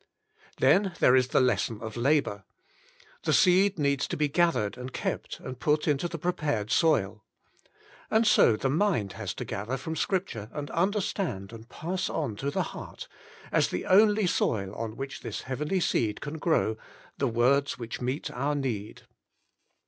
Then there is tpie Lesson of Labour. The seed needs to be gathered, and kept, and put into the prepared soil. And so the mind has to gather from scripture and understand and pass on to the heart, as the only soil on which this heavenly seed can grow, the words which meet our need.